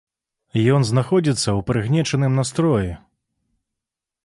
Ён знаходзіцца ў прыгнечаным настроі.